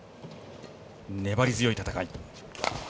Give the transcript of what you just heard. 粘り強い戦い。